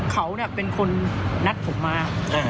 เขาเป็นคนนัดผมมา